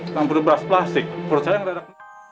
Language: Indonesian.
nampur beras plastik perut saya yang terhadap